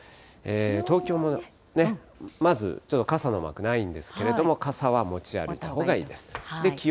東京も、まず、ちょっと傘のマークないんですけれども、傘は持ち歩いたほうがいいです。